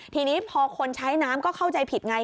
ทีนี้พอคนใช้น้ำก็เข้าใจผิดไง